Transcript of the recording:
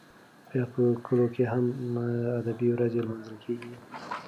ایا په کلو کې هم ادبي ورځې لمانځل کیږي؟